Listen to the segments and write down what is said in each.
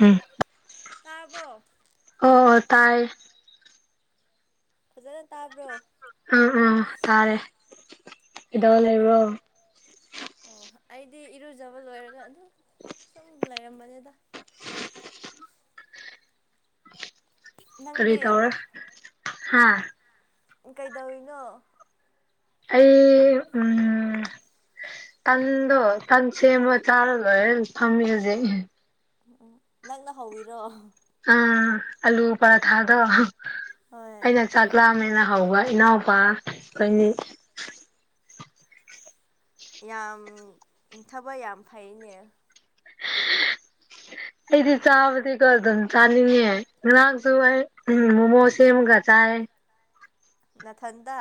ꯍꯝ ꯇꯥꯔꯕꯣ ꯑꯣ ꯑꯣ ꯇꯥꯏ ꯐꯖꯅ ꯇꯥꯕ꯭ꯔꯣ ꯑꯥ ꯑꯥ ꯇꯥꯔꯦ ꯀꯩꯗꯧꯔ ꯂꯩꯕ꯭ꯔꯣ ꯀꯩꯗꯧꯔꯤꯅꯣ ꯑꯣ ꯑꯩꯗꯤ ꯏꯔꯨꯖꯕ ꯂꯣꯏꯔꯒ ꯑꯗꯨꯝ ꯁꯨꯝ ꯂꯩꯔꯝꯕꯅꯤꯗ ꯀꯔꯤ ꯅꯪꯗꯤ ꯇꯧꯔꯦ ꯍꯥ ꯀꯩꯗꯧꯔꯤꯅꯣ ꯑꯩ ꯎꯝ ꯇꯟꯗꯣ ꯇꯟꯁꯦꯝꯃ ꯆꯥꯔꯒ ꯂꯣꯏꯔ ꯐꯝꯃꯤ ꯍꯧꯖꯤꯛ ꯑꯣ ꯑꯣ ꯅꯪꯅ ꯍꯧꯋꯤꯔꯣ ꯑ ꯑꯜꯂꯨ ꯄꯔꯥꯊꯥꯗꯣ ꯍꯣꯏ ꯑꯩꯅ ꯆꯥꯛꯂꯥꯝꯃꯦꯅ ꯍꯧꯕ ꯏꯅꯥꯎꯄꯥ ꯑꯩꯈꯣꯏꯅꯤ ꯌꯥꯝ ꯏꯪ ꯊꯕꯛ ꯌꯥꯝ ꯐꯩꯅꯦ ꯑꯩꯗꯤ ꯆꯥꯕꯗꯤꯒꯣ ꯑꯗꯨꯝ ꯆꯥꯅꯤꯡꯉꯦ ꯉꯍꯥꯡꯁꯨ ꯑꯩ ꯃꯣꯃꯣ ꯁꯦꯝꯃꯒ ꯆꯥꯏꯑꯦ ꯅꯊꯟꯇ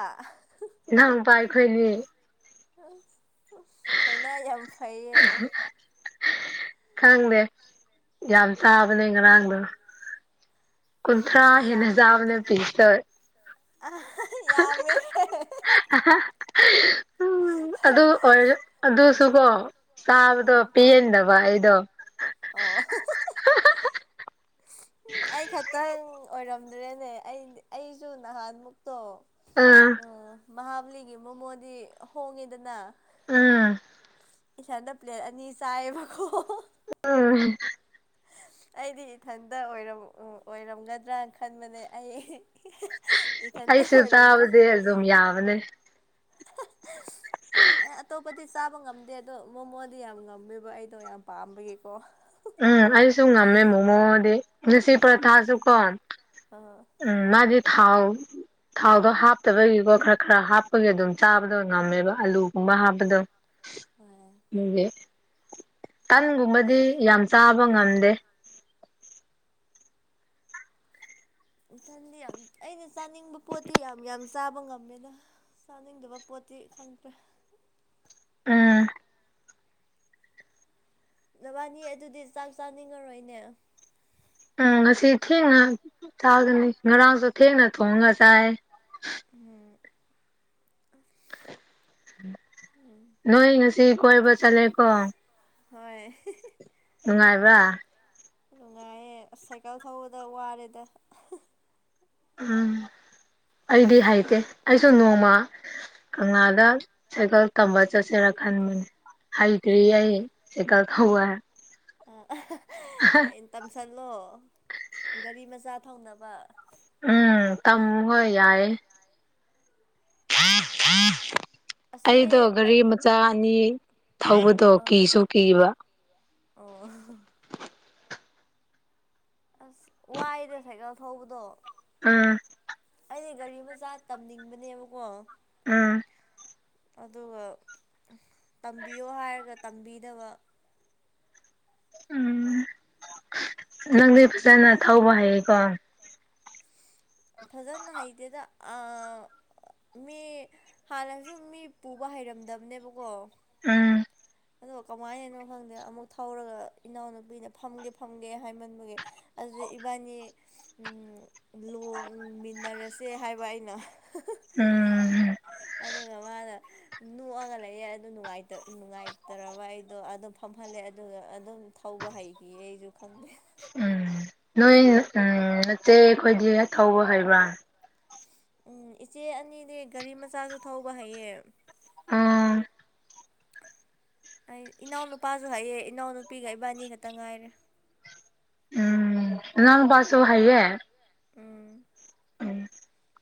ꯏꯅꯥꯎꯄꯥ ꯑꯩꯈꯣꯏꯅꯤ ꯊꯧꯅ ꯌꯥꯝ ꯐꯩꯌꯦ [inaudible] ꯈꯪꯗꯦ ꯌꯥꯝ ꯆꯥꯕꯅꯦ ꯉꯔꯥꯡꯗꯣ ꯑꯩꯗꯤ ꯀꯨꯟꯊ꯭ꯔꯥ ꯃꯤ ꯍꯦꯟꯅ ꯆꯥꯕꯅꯦ ꯄꯤꯁ ꯇ ꯑꯥ ꯍꯥꯍꯥ ꯌꯥꯃꯦ ꯎ ꯎꯝ ꯑꯗꯨ ꯑꯣꯏꯔ ꯑꯗꯨꯁꯨꯀꯣ ꯆꯥꯕꯗꯣ ꯄꯦꯟꯗꯕ ꯑꯩꯗꯣ ꯑꯣ ꯎ ꯑꯩ ꯈꯇꯪ ꯑꯣꯏꯔꯝꯗ꯭ꯔꯦꯅꯦ ꯑꯩ ꯑꯩꯁꯨ ꯅꯍꯥꯟꯃꯨꯛ ꯇꯣ ꯑꯥ ꯃꯍꯥꯕꯂꯤꯒꯤ ꯃꯣꯃꯣꯗꯤ ꯍꯣꯡꯉꯦꯗꯅ ꯑꯪ ꯏꯊꯥꯟꯗ ꯄ꯭ꯂꯦꯠ ꯑꯅꯤ ꯆꯥꯏꯌꯦꯕꯀꯣ ꯑꯪ ꯑꯩꯗꯤ ꯏꯊꯟꯇ ꯑꯣꯏꯔꯝꯒꯗ꯭ꯔꯥꯅ ꯈꯟꯕꯅꯦ ꯑꯩ ꯏꯊꯟꯇ ꯑꯩꯁꯨ ꯑꯣꯏꯔꯝꯗ꯭ꯔꯦ ꯆꯕꯁꯦ ꯑꯗꯨꯝ ꯌꯥꯕꯅꯦ ꯑꯦ ꯑꯇꯣꯞꯄꯗꯤ ꯆꯥꯕ ꯉꯝꯗꯦ ꯑꯗꯣ ꯃꯣꯃꯣꯗꯤ ꯌꯥꯝ ꯉꯝꯃꯦꯕ ꯑꯩꯗꯣ ꯌꯥꯝ ꯄꯥꯝꯕꯒꯤꯀꯣ ꯎꯝ ꯑꯩꯁꯨ ꯉꯝꯃꯦ ꯃꯣꯃꯣꯗꯤ ꯂꯤꯁꯤ ꯄꯔꯥꯊꯥꯁꯨ ꯀꯣ ꯑꯥ ꯎꯝ ꯃꯥꯗꯤ ꯊꯥꯎ ꯊꯥꯎꯗꯣ ꯍꯥꯞꯇꯕꯒꯤꯀꯣ ꯈꯔ ꯈꯔ ꯍꯥꯞꯄꯒꯤ ꯑꯗꯨꯝ ꯆꯥꯕꯗꯣ ꯉꯝꯃꯦꯕ ꯑꯂꯨꯒꯨꯝꯕ ꯍꯥꯞꯄꯗꯣ ꯍꯣꯏ ꯑꯗꯨꯗꯤ ꯇꯟꯒꯨꯝꯕꯗꯤ ꯌꯥꯝ ꯆꯥꯕ ꯉꯝꯗꯦ ꯏꯊꯟꯗꯤ ꯌꯥꯝ ꯑꯩꯅ ꯆꯥꯅꯤꯡꯕ ꯄꯣꯠꯇꯤ ꯌꯥꯝ ꯌꯥꯝ ꯆꯥꯕ ꯉꯝꯃꯦꯗ ꯆꯥꯅꯤꯡꯗꯕ ꯄꯣꯠꯇꯤ ꯈꯪꯗ꯭ꯔꯦ ꯑꯪ ꯅꯕꯥꯅꯤ ꯑꯗꯨꯗꯤ ꯆꯥꯛ ꯆꯥꯅꯤꯡꯉꯔꯣꯏꯅꯦ ꯎꯝ ꯉꯁꯤ ꯊꯦꯡꯅ ꯆꯥꯒꯅꯤ ꯉꯔꯥꯡꯁꯨ ꯊꯦꯡꯅ ꯊꯣꯡꯉ ꯆꯥꯏ ꯎꯝ ꯎꯝ ꯅꯣꯏ ꯉꯁꯤ ꯀꯣꯏꯕ ꯆꯠꯂꯦꯀꯣ ꯍꯣꯏ ꯅꯨꯡꯉꯥꯏꯕ꯭ꯔꯥ ꯅꯨꯡꯉꯥꯏꯌꯦ ꯑꯁ ꯁꯥꯏꯀꯜ ꯊꯧꯕꯗ ꯋꯥꯔꯦꯗ ꯎꯝ ꯑꯩꯗꯤ ꯍꯩꯇꯦ ꯑꯩꯁꯨ ꯅꯣꯡꯃ ꯀꯪꯂꯥꯗ ꯁꯥꯏꯀꯜ ꯇꯝꯕ ꯆꯠꯁꯦꯔꯥ ꯈꯟꯕꯅꯦ ꯍꯩꯇ꯭ꯔꯤꯌꯦ ꯑꯩ ꯁꯥꯏꯀꯜ ꯊꯧꯕ ꯍꯌꯦꯡ ꯇꯝꯁꯜꯂꯣ ꯒꯥꯔꯤ ꯃꯆꯥ ꯊꯧꯅꯕ ꯎꯝ ꯇꯝ ꯍꯣꯏ ꯌꯥꯏꯌꯦ ꯍꯥꯥ ꯍꯥꯥ ꯑꯩꯗꯣ ꯑꯁꯤ ꯒꯥꯔꯤ ꯃꯆꯥ ꯑꯅꯤ ꯊꯧꯕꯗꯣ ꯑꯥ ꯀꯤꯁꯨ ꯀꯤꯕ ꯑꯣ ꯑꯁ ꯋꯥꯏꯗ ꯁꯥꯏꯀꯜ ꯊꯧꯕꯗꯣ ꯑꯪ ꯑꯩ ꯒꯥꯔꯤ ꯃꯆꯥ ꯇꯝꯅꯤꯡꯕꯅꯦꯕꯀꯣ ꯎꯝ ꯑꯗꯨꯒ ꯇꯝꯕꯤꯌꯣ ꯍꯥꯏꯔꯒ ꯇꯝꯕꯤꯗꯕ ꯎꯝ ꯅꯪꯗꯤ ꯐꯖꯅ ꯊꯧꯕ ꯍꯩꯌꯦꯀꯣ ꯐꯖꯅ ꯍꯩꯇꯦꯗ ꯑ ꯃꯤ ꯍꯥꯟꯅꯖꯨ ꯃꯤ ꯄꯨꯕ ꯍꯩꯔꯝꯗꯕꯅꯦꯕꯀꯣ ꯎꯝ ꯑꯗꯣ ꯀꯃꯥꯏꯅꯅꯣ ꯈꯪꯗꯦ ꯑꯃꯨꯛ ꯊꯧꯔꯒ ꯏꯅꯥꯎꯅꯨꯄꯤꯅ ꯐꯝꯒꯦ ꯐꯝꯒꯦ ꯍꯥꯏꯃꯟꯕꯒꯤ ꯑꯗꯨꯗ ꯏꯕꯥꯅꯤ ꯎꯝ ꯂꯣꯡꯃꯤꯟꯅꯔꯁꯦ ꯍꯥꯏꯕ ꯑꯩꯅ ꯎꯝ ꯑꯗꯨꯒ ꯃꯥꯅ ꯅꯣꯛꯑꯒ ꯂꯩꯌꯦ ꯑꯗꯨ ꯅꯨꯡꯡꯥꯏꯇ ꯅꯨꯡꯉꯥꯏ ꯇꯔꯕ ꯑꯩꯗꯣ ꯑꯗꯨꯝ ꯐꯝꯍꯜꯂꯦ ꯑꯗꯨꯒ ꯑꯗꯨꯝ ꯊꯧꯕ ꯍꯩꯒꯤꯌꯦ ꯑꯩꯖꯨ ꯈꯪꯗꯦ ꯅꯣꯏꯅ ꯎꯝ ꯅꯆꯦ ꯈꯣꯏꯗꯤ ꯊꯧꯕ ꯍꯩꯕ꯭ꯔꯥ ꯎꯝ ꯏꯆꯦ ꯑꯅꯤꯗꯤ ꯒꯥꯔꯤ ꯃꯆꯥꯖꯨ ꯊꯧꯕ ꯍꯩꯌꯦ ꯑꯨꯝ ꯑꯩ ꯏꯅꯥꯎꯅꯨꯄꯥꯖꯨ ꯍꯩꯌꯦ ꯏꯅꯥꯎꯅꯨꯄꯤꯒ ꯏꯕꯥꯅꯤ ꯈꯛꯇ ꯉꯥꯏꯔꯦ ꯎꯝ ꯅꯅꯥꯎ ꯅꯨꯄꯥꯁꯨ ꯍꯩꯌꯦ ꯎꯝ ꯎꯝ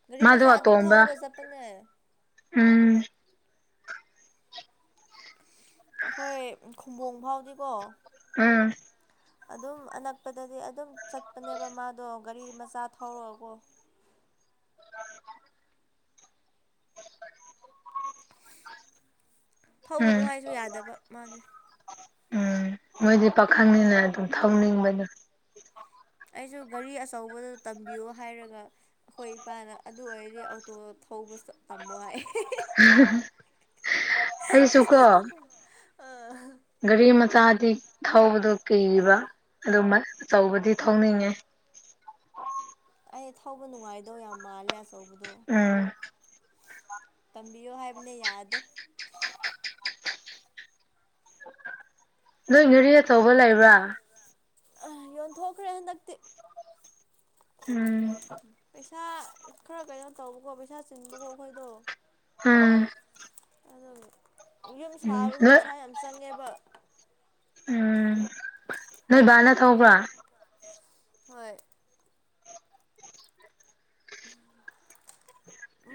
ꯒꯥꯔꯤ ꯃꯥꯗꯣ ꯃꯆꯥ ꯑꯗꯨꯝ ꯑꯇꯣꯝꯕ ꯊꯧꯔꯒ ꯆꯠꯄꯅꯦ ꯎꯝ ꯑꯩꯈꯣꯏ ꯈꯨꯝꯕꯣꯡ ꯐꯥꯎꯗꯤꯀꯣ ꯎꯝ ꯑꯗꯨꯝ ꯑꯅꯛꯄꯗꯗꯤ ꯑꯗꯨꯝ ꯆꯠꯄꯅꯦꯕ ꯃꯥꯗꯣ ꯒꯥꯔꯤ ꯃꯆꯥ ꯊꯧꯔꯒꯀꯣ ꯊꯧꯒꯅꯨ ꯎꯝ ꯍꯥꯏꯁꯨ ꯌꯥꯗꯕ ꯃꯥꯗꯤ ꯎꯝ ꯃꯣꯏꯗꯤ ꯄꯥꯈꯪꯅꯤꯅ ꯑꯗꯨꯝ ꯊꯧꯅꯤꯡꯕꯅꯤ ꯑꯩꯖꯨ ꯒꯥꯔꯤ ꯑꯆꯧꯕꯗꯨ ꯇꯝꯕꯤꯌꯣ ꯍꯥꯏꯔꯒ ꯑꯩꯈꯣꯏ ꯏꯄꯥꯅ ꯑꯗꯨ ꯑꯣꯏꯔꯗꯤ ꯑꯧꯇꯣ ꯊꯧꯕ ꯇꯝꯃꯣ ꯍꯥꯏ ꯑꯗꯨꯁꯨ ꯀꯣ ꯑ ꯒꯥꯔꯤ ꯃꯆꯥꯗꯤ ꯊꯧꯕꯗꯣ ꯀꯤꯕ ꯑꯗꯨꯃꯥ ꯑꯆꯧꯕꯗꯤ ꯊꯧꯅꯤꯡꯉꯦ ꯑꯩ ꯊꯧꯕ ꯅꯨꯡꯉꯥꯏꯗꯧ ꯌꯥꯝ ꯃꯥꯜꯂꯦ ꯑꯆꯧꯕꯗꯣ ꯎꯝ ꯇꯝꯕꯤꯌꯣ ꯍꯥꯏꯕꯅꯦ ꯌꯥꯗꯦ ꯅꯣꯏ ꯒꯥꯔꯤ ꯑꯆꯧꯕ ꯂꯩꯕ꯭ꯔꯥ ꯑ ꯌꯣꯟꯊꯣꯛꯈ꯭ꯔꯦ ꯍꯟꯗꯛꯇꯤ ꯎꯝ ꯄꯩꯁꯥ ꯈꯔ ꯀꯩꯅꯣ ꯇꯧꯕꯀꯣ ꯄꯩꯁꯥ ꯆꯤꯟꯕꯀꯣ ꯑꯩꯈꯣꯏꯗꯣ ꯎꯝ ꯑꯗꯨꯒꯤ ꯌꯨꯝ ꯎꯝ ꯁꯥꯕꯗꯣ ꯅꯣꯏ ꯄꯩꯁꯥ ꯌꯥꯝ ꯆꯪꯉꯦꯕ ꯎꯝ ꯅꯣꯏꯕꯥꯅ ꯊꯧꯕ꯭ꯔꯥ ꯍꯣꯏ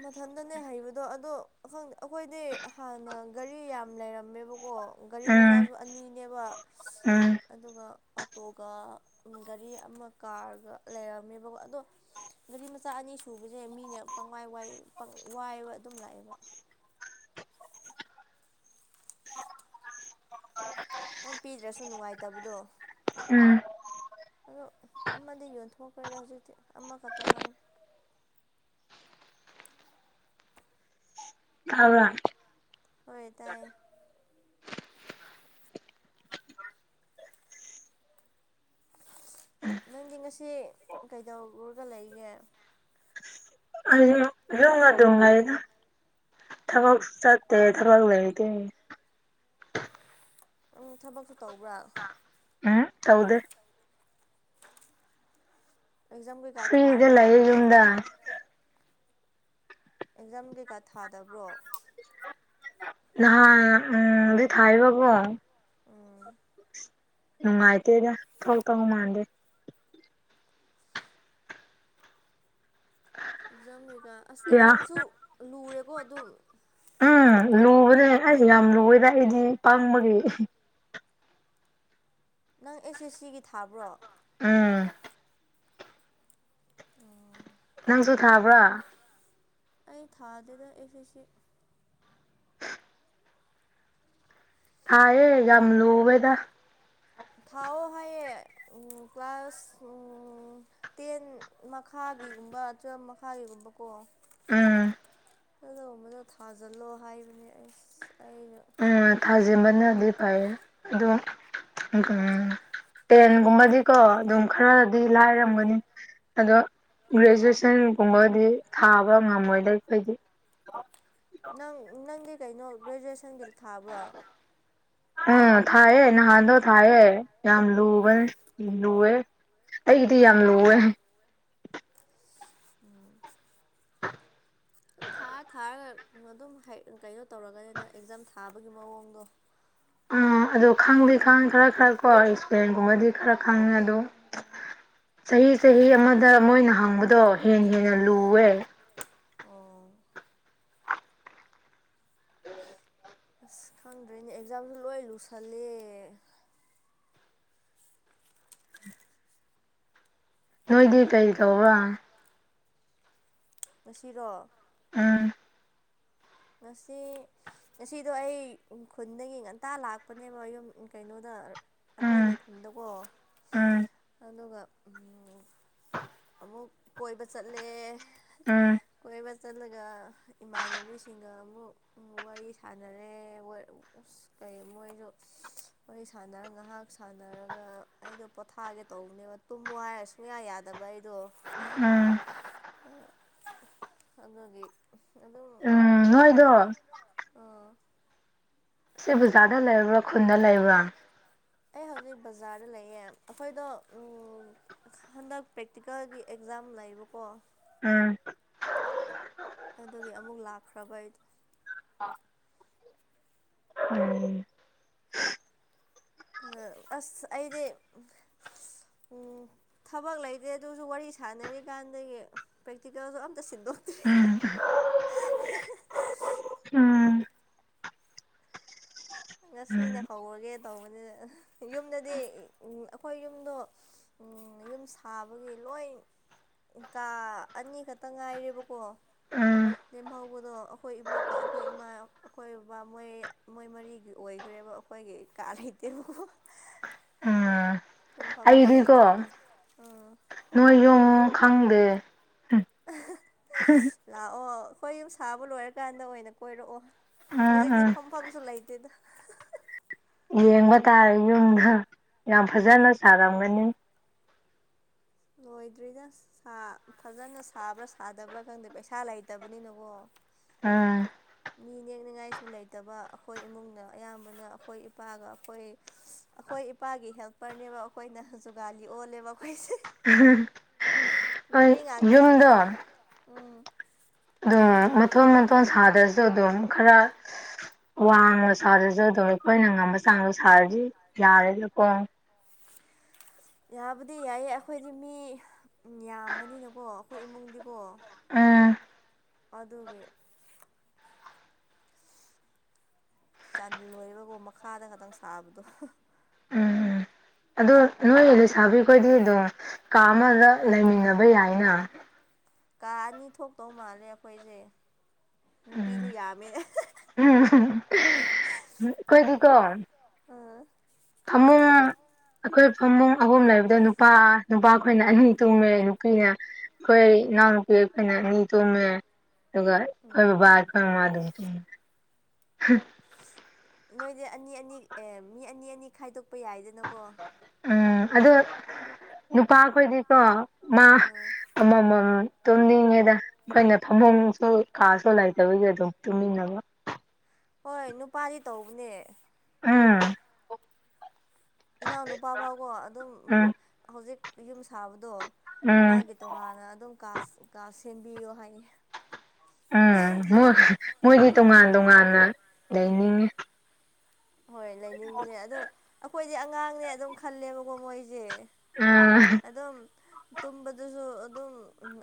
ꯃꯊꯟꯗꯅꯦ ꯍꯩꯕꯗꯣ ꯑꯗꯣ ꯈꯪꯗꯦ ꯑꯩꯈꯣꯏꯗꯤ ꯍꯥꯟꯅ ꯒꯥꯔꯤ ꯌꯥꯝ ꯂꯩꯔꯝꯃꯦꯕꯀꯣ ꯒꯥꯔꯤ ꯎꯝ ꯃꯆꯥꯁꯨ ꯑꯅꯤꯅꯦꯕ ꯎꯝ ꯑꯗꯨꯒ ꯑꯣꯇꯣꯒ ꯒꯥꯔꯤ ꯑꯃ ꯀꯥꯔꯒ ꯂꯩꯔꯝꯃꯦꯕꯀꯣ ꯑꯗꯣ ꯒꯥꯔꯤ ꯃꯆꯥ ꯑꯅꯤ ꯁꯨꯕꯖꯦ ꯃꯤꯅ ꯄꯪꯋꯥꯏ ꯋꯥꯏ ꯋꯥꯏꯕ ꯑꯗꯨꯝ ꯂꯥꯛꯑꯦꯕ ꯑꯗꯨꯝ ꯄꯤꯗ꯭ꯔꯁꯨ ꯅꯨꯡꯉꯥꯏꯇꯕꯗꯣ ꯎꯝ ꯑꯗꯣ ꯑꯃꯗꯤ ꯌꯣꯟꯊꯣꯛꯈ꯭ꯔꯦꯗ ꯍꯧꯖꯤꯛꯇꯤ ꯑꯃꯈꯛꯇ ꯉꯥꯏꯔꯦ ꯇꯥꯕ꯭ꯔꯥ ꯍꯣꯏ ꯇꯥꯏꯌꯦ ꯅꯪꯗꯤ ꯉꯁꯤ ꯀꯩꯗꯧꯔꯒ ꯂꯩꯒꯦ ꯑꯩꯗꯤ ꯌꯨꯝꯗ ꯑꯗꯨꯝ ꯂꯩꯗ ꯊꯕꯛꯁꯨ ꯆꯠꯇꯦ ꯊꯕꯛ ꯂꯩꯇꯦ ꯎꯝ ꯊꯕꯛꯁꯨ ꯇꯧꯕ꯭ꯔꯥ ꯎꯝ ꯇꯧꯗꯦ ꯑꯦꯛꯖꯥꯝ ꯀꯩꯀꯥ ꯐ꯭ꯔꯤꯗ ꯊꯥꯔꯒ ꯂꯩꯕ꯭ꯔꯥ ꯂꯩꯌꯦ ꯌꯨꯝꯗ ꯅꯪꯗꯤ ꯑꯦꯛꯖꯥꯝ ꯀꯩꯀꯥ ꯊꯥꯗꯕ꯭ꯔꯣ ꯅꯍꯥꯟ ꯎꯝ ꯗꯤ ꯊꯥꯏꯑꯦꯕꯀꯣ ꯎꯝ ꯅꯨꯡꯉꯥꯏꯇꯦꯗ ꯊꯣꯛꯇꯧ ꯃꯥꯟꯗꯦ ꯑꯦꯛꯖꯥꯝ ꯀꯩꯀꯥ ꯑꯁ ꯌꯥ ꯑꯦꯛꯖꯥꯝꯁꯨ ꯂꯨꯔꯦꯀꯣ ꯑꯗꯨꯝ ꯎꯝ ꯂꯨꯕꯅꯦ ꯑꯁ ꯌꯥꯝ ꯂꯨꯋꯦꯗ ꯑꯩꯗꯤ ꯄꯪꯕꯒꯤ ꯑꯍꯤ ꯅꯪ ꯑꯦꯁ ꯑꯦꯁ ꯁꯤꯒꯤ ꯊꯥꯕ꯭ꯔꯣ ꯎꯝ ꯅꯪꯁꯨ ꯊꯥꯕ꯭ꯔꯥ ꯑꯩ ꯊꯥꯗꯦꯗ ꯑꯦꯁ ꯑꯦꯁ ꯁꯤ ꯊꯥꯌꯦ ꯌꯥꯝ ꯂꯨꯋꯦꯗ ꯊꯥꯎꯑꯣ ꯍꯥꯏꯌꯦ ꯀ꯭ꯂꯥꯁ ꯎꯝ ꯇꯦꯟ ꯃꯈꯥꯒꯤ ꯒꯨꯝꯕ ꯇꯨꯋꯦꯜꯕ ꯃꯈꯥꯒꯤ ꯒꯨꯝꯕ ꯥꯀꯣ ꯎꯝ ꯑꯗꯨꯒꯨꯝꯕꯗꯣ ꯊꯥꯖꯤꯜꯂꯣ ꯍꯥꯏꯕꯅꯦ ꯑꯁ ꯑꯩꯅ ꯎꯝ ꯇꯟꯕ ꯊꯥꯖꯤꯟꯕꯅꯗꯤ ꯐꯩꯌꯦ ꯑꯗꯨ ꯎꯝ ꯇꯦꯟꯒꯨꯝꯕꯗꯤ ꯀꯣ ꯑꯗꯨꯝ ꯈꯔ ꯎꯝ ꯗꯤ ꯂꯥꯏꯔꯝꯒꯅꯤ ꯑꯗꯣ ꯒ꯭ꯔꯦꯖꯨꯋꯦꯁꯟꯒꯨꯝꯕꯗꯤ ꯊꯥꯕ ꯉꯝꯃꯣꯏꯗ ꯑꯩꯈꯣꯏ ꯗꯤ ꯅꯪ ꯅꯪꯗꯤ ꯀꯩꯅꯣ ꯒ꯭ꯔꯦꯖꯨꯋꯦꯁꯟꯒꯤ ꯊꯕ꯭ꯔꯣ ꯎꯝ ꯊꯥꯏꯌꯦ ꯅꯍꯥꯟꯗꯣ ꯊꯥꯏꯌꯦ ꯌꯥꯝ ꯂꯨꯕꯅꯦ ꯂꯨꯋꯦ ꯑꯩꯒꯤꯗꯤ ꯌꯥꯝ ꯂꯨꯋꯦ ꯎꯝ ꯑꯗꯨꯝ ꯊꯥꯔ ꯊꯥꯔꯒ ꯑꯗꯨꯝ ꯍꯩ ꯀꯩꯅꯣ ꯇꯧꯔꯒꯅꯤꯗ ꯑꯦꯛꯖꯥꯝ ꯊꯥꯕꯒꯤ ꯃꯑꯣꯡꯗꯣ ꯎꯝ ꯑꯗꯣ ꯈꯪꯗꯤ ꯑꯗꯨꯝ ꯈꯪꯉꯦ ꯈꯔ ꯈꯔ ꯍꯥꯏꯔꯛꯀꯅꯤ ꯀꯣ ꯁꯄꯦꯜꯂꯤꯡ ꯒꯨꯝꯕꯗꯤ ꯈꯔ ꯈꯪꯉꯦ ꯑꯗꯨꯝ ꯆꯍꯤ ꯆꯍꯤ ꯑꯃꯗ ꯃꯣꯏꯅ ꯍꯪꯕꯗꯣ ꯍꯦꯟꯅ ꯍꯦꯟꯅ ꯂꯨꯋꯦ ꯑꯣ ꯑꯁ ꯈꯪꯗ꯭ꯔꯦꯅꯦ ꯑꯦꯛꯖꯥꯝꯖꯨ ꯂꯣꯏ ꯂꯨꯁꯜꯂꯦ ꯅꯣꯏꯗꯤ ꯀꯔꯤ ꯇꯧꯕꯔꯥ ꯉꯁꯤꯔꯣ ꯎꯝ ꯉꯁꯤ ꯉꯁꯤꯗꯣ ꯑꯩ ꯈꯨꯟꯗꯒꯤ ꯉꯟꯇꯥ ꯂꯥꯛꯄꯅꯦꯕ ꯌꯨꯝ ꯎꯝ ꯀꯩꯅꯣꯗ ꯑꯩꯈꯣꯏ ꯎꯝ ꯂꯩꯐꯝꯗꯀꯣ ꯎꯝ ꯑꯗꯨꯒ ꯎꯝ ꯑꯃꯨꯛ ꯀꯣꯏꯕ ꯆꯠꯂꯦ ꯎꯝ ꯀꯣꯏꯕ ꯆꯠꯂꯒ ꯏꯃꯥꯟꯅꯕꯤ ꯁꯤꯡꯒ ꯑꯃꯨꯛ ꯎꯝ ꯋꯥꯔꯤ ꯁꯥꯟꯅꯔꯦ ꯃꯣꯏ ꯑꯁ ꯀꯩ ꯃꯣꯏꯗꯣ ꯏꯁ ꯋꯥꯔꯤ ꯁꯥꯟꯅꯔꯒ ꯉꯥꯏꯍꯥꯛ ꯁꯥꯟꯅꯔꯒ ꯑꯩꯗꯣ ꯄꯣꯊꯥꯒꯦ ꯇꯧꯕꯅꯦꯕ ꯇꯨꯝꯃꯣ ꯍꯥꯏꯔ ꯁꯨꯡꯌꯥ ꯌꯥꯗꯕ ꯑꯩ ꯑꯗꯣ ꯎꯝ ꯑꯗꯨꯒꯤ ꯑꯗꯨꯝ ꯎꯝ ꯀꯩꯅꯣ ꯅꯣꯏꯗꯣ ꯎꯝ ꯏꯆꯦ ꯕꯖꯥꯔꯗ ꯂꯩꯕ꯭ꯔ ꯈꯨꯟꯗ ꯂꯩꯕ꯭ꯔ ꯑꯩ ꯍꯧꯖꯤꯛ ꯕꯖꯥꯔꯗ ꯂꯩꯌꯦ ꯑꯩꯈꯣꯏꯗꯣ ꯎꯝ ꯍꯟꯗꯛ ꯄꯔꯦꯛꯇꯤꯀꯦꯜ ꯒꯤ ꯑꯦꯛꯖꯥꯝ ꯂꯩꯕꯀꯣ ꯎꯝ ꯑꯗꯨꯒꯤ ꯑꯃꯨꯛ ꯂꯥꯛꯈ꯭ꯔꯕ ꯑꯩꯗꯤ ꯎꯝ ꯑꯗ ꯑꯁ ꯑꯩꯗꯤ ꯎꯝ ꯊꯕꯛ ꯂꯩꯇꯦ ꯑꯗꯨꯁꯨ ꯋꯥꯔꯤ ꯁꯥꯟꯅꯔꯤꯀꯥꯟꯗꯒꯤ ꯄꯔꯦꯛꯇꯤꯀꯦꯜꯁꯨ ꯑꯝꯇ ꯁꯤꯟꯇꯣꯛꯇꯦ ꯎꯝ ꯎꯝ ꯎꯝ ꯉꯁꯤꯅ ꯍꯧꯔꯒꯦ ꯇꯧꯕꯅꯤꯅꯦ ꯌꯨꯝꯗꯗꯤ ꯑꯩꯈꯣꯏ ꯌꯨꯝꯗꯣ ꯎꯝ ꯌꯨꯝ ꯁꯥꯕꯒꯤ ꯂꯣꯏ ꯀꯥ ꯑꯅꯤ ꯈꯛꯇ ꯉꯥꯏꯔꯦꯕ ꯀꯣ ꯎꯝ ꯂꯦꯝꯍꯧꯕꯗꯣ ꯑꯩꯈꯣꯏ ꯏꯕꯣꯛꯀ ꯑꯩꯈꯣꯏ ꯏꯃꯥ ꯑꯩꯈꯣꯏ ꯕꯕꯥ ꯃꯣꯏ ꯃꯣꯏ ꯃꯔꯤꯒꯤ ꯑꯣꯏꯈ꯭ꯔꯦꯕ ꯑꯩꯈꯣꯏꯒꯤ ꯀꯥ ꯂꯩꯇꯦꯕ ꯎꯝ ꯇꯨꯝꯐꯝꯁꯨ ꯑꯩꯗꯤꯀꯣ ꯂꯩꯇꯕꯗꯣ ꯎꯝ ꯅꯣꯏ ꯌꯨꯝ ꯈꯪꯗꯦ [inaudible] ꯂꯥꯛꯑꯣ ꯑꯩꯈꯣꯏ ꯌꯨꯝ ꯁꯥꯕ ꯂꯣꯏꯔ ꯀꯟꯗ ꯑꯣꯏꯅ ꯀꯣꯏꯔꯛ ꯑꯣ ꯎꯝ ꯍꯧꯖꯤꯛꯇꯤ ꯎꯝ ꯐꯝꯐꯝꯁꯨ ꯂꯩꯇꯦꯗ ꯌꯦꯡꯕ ꯇꯥꯔꯦ ꯌꯨꯝꯗꯣ ꯌꯥꯝ ꯐꯖꯅ ꯁꯥꯔꯝꯒꯅꯤ ꯂꯣꯏꯗ꯭ꯔꯤꯗ ꯐꯖꯅ ꯁꯥꯕ꯭ꯔ ꯁꯥꯗꯕ꯭ꯔ ꯈꯪꯗꯦ ꯄꯩꯁꯥ ꯂꯩꯇꯕꯅꯤꯅꯀꯣ ꯎꯝ ꯃꯤ ꯅꯦꯛꯅꯤꯡꯉꯥꯏꯁꯨ ꯂꯩꯇꯕ ꯑꯩꯈꯣꯏ ꯏꯃꯨꯡꯅ ꯑꯌꯥꯝꯕꯅ ꯑꯩꯈꯣꯏ ꯏꯄꯥꯒ ꯑꯩꯈꯣꯏ ꯑꯩꯈꯣꯏ ꯏꯄꯥꯒꯤ ꯍꯦꯜꯄꯔꯅꯦꯕ ꯑꯩꯈꯣꯏꯅ ꯖꯨꯒꯥꯂꯤ ꯑꯣꯜꯂꯦꯕ ꯑꯩꯈꯣꯏꯁꯦ [inaudible] ꯅꯨꯄꯤ ꯉꯥꯛꯇꯅꯤꯅ ꯌꯨꯝꯗꯣ ꯎꯝ ꯑꯗꯨꯝ ꯃꯊꯣꯟ ꯃꯊꯣꯟ ꯁꯥ ꯁꯥꯔꯁꯨ ꯑꯗꯨꯝ ꯈꯔ ꯋꯥꯡꯅ ꯁꯥꯗꯔꯁꯨ ꯑꯗꯨꯝ ꯑꯩꯈꯣꯏꯅ ꯉꯝꯕ ꯆꯥꯡ ꯆꯥꯡ ꯁꯥꯔꯗꯤ ꯌꯥꯔꯅꯤꯀꯣ ꯌꯥꯕꯨꯗꯤ ꯌꯥꯏꯌꯦ ꯑꯩꯈꯣꯏꯗꯤ ꯃꯤ ꯌꯥꯝꯕꯅꯤꯅꯀꯣ ꯑꯩꯈꯣꯏ ꯏꯃꯨꯡꯗꯤꯀꯣ ꯎꯝ ꯑꯗꯨꯒꯤ ꯆꯜꯂꯣꯏꯕꯒꯣ ꯃꯈꯥꯗ ꯈꯛꯇꯪ ꯁꯥꯕꯗꯣ ꯑꯗꯨ ꯅꯣꯏ ꯂꯩꯁꯥꯕꯤꯈꯣꯏꯗꯤ ꯑꯗꯨꯝ ꯀꯥ ꯑꯃꯗ ꯂꯩꯃꯤꯟꯅꯕ ꯌꯥꯏꯅ ꯀꯥ ꯑꯅꯤ ꯊꯣꯛꯇꯧ ꯃꯥꯜꯂꯦ ꯑꯩꯈꯣꯏꯁꯦ ꯅꯨꯄꯤꯁꯨ ꯎꯝ ꯌꯥꯝꯃꯦ ꯎꯝ ꯑꯩꯈꯣꯏꯒꯤꯀꯣ ꯑꯥ ꯐꯃꯨꯡ ꯑꯩꯈꯣꯏ ꯐꯃꯨꯡ ꯑꯍꯨꯝ ꯂꯩꯕꯗ ꯅꯨꯄꯥ ꯅꯨꯄꯥꯈꯣꯏꯅ ꯑꯅꯤ ꯇꯨꯝꯃꯦ ꯅꯨꯄꯤꯅ ꯑꯩꯈꯣꯏ ꯏꯅꯥꯎꯅꯨꯄꯤ ꯑꯩꯈꯣꯏ ꯇꯨꯝꯃꯦ ꯑꯗꯨꯒ ꯎꯝ ꯑꯩꯈꯣꯏ ꯃꯃꯥ ꯕꯥꯕꯥꯁꯨ ꯇꯨꯝꯃꯦ ꯅꯣꯏꯗꯤ ꯑꯅꯤ ꯑꯅꯤ ꯑꯦ ꯃꯤ ꯑꯅꯤ ꯑꯅꯤ ꯈꯥꯏꯗꯣꯛꯄ ꯌꯥꯏꯗꯅꯀꯣ ꯎꯝ ꯑꯗꯣ ꯅꯨꯄꯥꯈꯣꯏꯗꯤꯀꯣ ꯃꯥ ꯑꯥ ꯑꯃꯃꯝ ꯇꯨꯝꯅꯤꯡꯉꯦꯗ ꯑꯩꯈꯣꯏꯅ ꯐꯃꯨꯡꯁꯨ ꯀꯥꯁꯨ ꯂꯩꯇꯕꯒꯤ ꯑꯗꯨꯝ ꯇꯨꯝꯃꯤꯟꯅꯕ ꯍꯣꯏ ꯅꯨꯄꯥꯗꯤ ꯇꯧꯕꯅꯦ ꯎꯝ ꯏꯅꯥꯎꯅꯨꯄꯥ ꯐꯥꯎꯕꯥ ꯑꯗꯨꯝ ꯎꯝ ꯍꯧꯖꯤꯛ ꯌꯨꯝ ꯁꯥꯕꯗꯣ ꯎꯝ ꯃꯥꯒꯤ ꯇꯣꯉꯥꯟꯅ ꯑꯗꯨꯝ ꯁꯦꯝꯕꯤꯌꯣ ꯍꯥꯏꯌꯦ ꯎꯝ ꯃꫭꯏ ꯃꯣꯏꯗꯤ ꯇꯣꯉꯥꯟ ꯇꯣꯉꯥꯟꯅ ꯂꯩꯅꯤꯡꯉꯤ ꯍꯣꯏ ꯂꯩꯅꯤꯡꯕꯅꯦ ꯑꯗꯣ ꯑꯩꯈꯣꯏꯗꯤ ꯑꯉꯥꯡꯅꯦ ꯑꯗꯨꯝ ꯈꯜꯂꯦꯕꯀꯣ ꯃꯣꯏꯁꯦ ꯑꯥ ꯑꯗꯨꯝ ꯇꯨꯝꯕꯗꯨꯁꯨ ꯑꯗꯨꯝ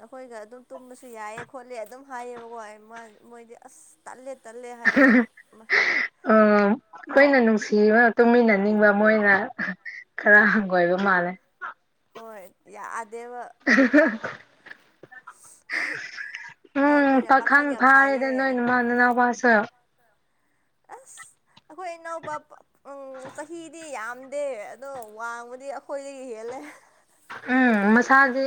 ꯑꯩꯈꯣꯏꯒ ꯑꯗꯨꯝ ꯇꯨꯝꯕꯁꯨ ꯌꯥꯏꯌꯦ ꯈꯣꯠꯂꯦ ꯑꯗꯨꯝ ꯍꯥꯏꯌꯦꯕꯀꯣ ꯃꯥ ꯃꯣꯏꯗꯤ ꯑꯁ ꯇꯠꯂꯦ ꯇꯠꯂꯦ ꯍꯥꯏꯌꯦ ꯎꯝ ꯑꯩꯈꯣꯏꯅ ꯅꯨꯡꯁꯤꯕ ꯇꯨꯝꯃꯤꯟꯅꯅꯤꯡꯕ ꯃꯣꯏꯅ ꯈꯔ ꯍꯪꯒꯣꯏꯕ ꯃꯥꯜꯂꯦ ꯍꯣꯏ ꯌꯥꯗꯦꯕ ꯑ [unintelligible] ꯑꯩ ꯎꯝ ꯑꯩꯈꯣꯏꯅ ꯄꯥꯈꯪ ꯌꯥꯝ ꯐꯥꯔꯦꯗ ꯅꯣꯏ ꯁꯥꯏꯌꯦ ꯅ ꯅꯅꯥꯎꯄꯥꯁꯨꯣ ꯑꯁ ꯑꯩꯈꯣꯏ ꯏꯅꯥꯎꯄꯥ ꯎꯝ ꯆꯍꯤꯗꯤ ꯌꯥꯝ ꯗꯦ ꯑꯗꯣ ꯋꯥꯡꯕꯗꯤ ꯑꯩꯈꯣꯏꯗꯒꯤ ꯍꯦꯜꯂꯦ ꯎꯝ ꯃꯁꯥꯗꯤ